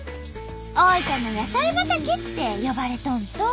「大分の野菜畑」って呼ばれとんと！